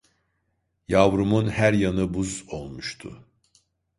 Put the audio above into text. Yavrumun her yanı buz olmuştu.